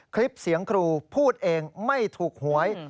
คลิปเสียงครูพูดเองไม่ถูกหวย